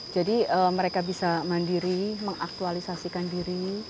jadi mereka bisa mandiri mengaktualisasikan diri